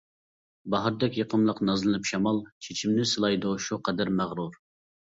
باھاردەك يېقىملىق نازلىنىپ شامال، چېچىمنى سىلايدۇ شۇ قەدەر مەغرۇر.